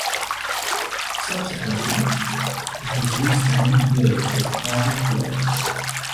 Subsequently, it was used for many years as private dwellings.